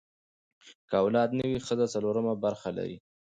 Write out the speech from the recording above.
که اولاد نه وي، ښځه څلورمه برخه لري.